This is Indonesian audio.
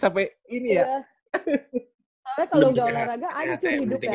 soalnya kalo udah olahraga anju hidup ya